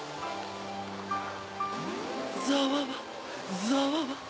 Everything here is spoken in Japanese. ざわわざわわ。